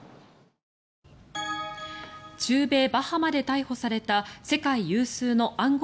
中米バハマで逮捕された世界有数の暗号